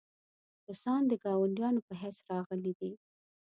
روسان د ګاونډیانو په حیث راغلي دي.